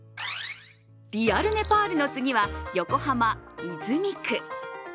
リアルネパールの次は横浜泉区。